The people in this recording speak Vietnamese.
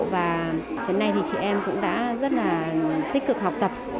và đến nay thì chị em cũng đã rất là tích cực học tập